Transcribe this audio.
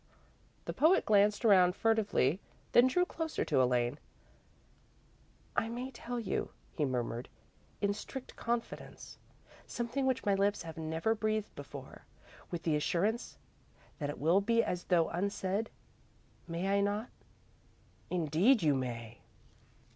The poet glanced around furtively, then drew closer to Elaine. "I may tell you," he murmured, "in strict confidence, something which my lips have never breathed before, with the assurance that it will be as though unsaid, may I not?" "Indeed you may!"